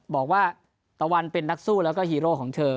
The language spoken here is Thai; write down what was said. บอกว่าตะวันเป็นนักสู้แล้วก็ฮีโร่ของเธอ